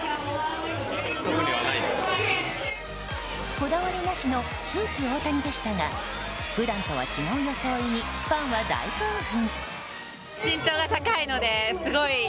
こだわりなしのスーツ大谷でしたが普段とは違う装いにファンは大興奮。